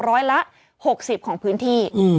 ร้อยละ๖๐ของพื้นที่